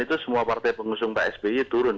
itu semua partai pengusung pak sby turun